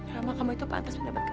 rama kamu itu pantas mendapatkan